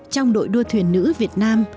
trong đội đua thuyền nữ việt nam